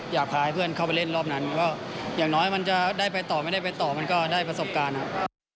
อยากพาให้เพื่อนเข้าเลยลงทั้งกลุ่มก็จะได้ไปต่อไม่ได้ไปต่อก็ได้ประสบการณ์ครับ